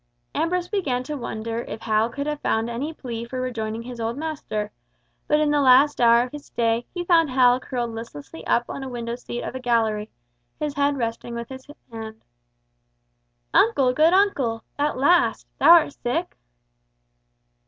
Ambrose began to wonder if Hal could have found any plea for rejoining his old master; but in the last hour of his stay, he found Hal curled up listlessly on a window seat of a gallery, his head resting on his hand. "Uncle, good uncle! At last! Thou art sick?"